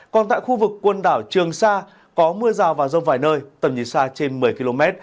còn tại khu vực quần đảo trường sa có mưa rào và rông vài nơi tầm nhìn xa trên một mươi km